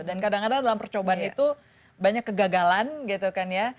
dan kadang kadang dalam percobaan itu banyak kegagalan gitu kan ya